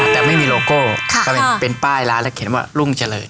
แต่ไม่มีโลโก้ก็เป็นป้ายร้านแล้วเขียนว่ารุ่งเจริญ